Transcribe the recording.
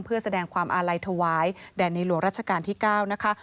เพื่อแสดงความอาลัยถวายแด่ในหลวงราชการที่๙นะคะ